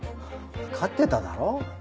わかってただろ。